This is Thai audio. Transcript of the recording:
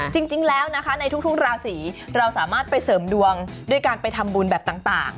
จริงแล้วนะคะในทุกราศีเราสามารถไปเสริมดวงด้วยการไปทำบุญแบบต่าง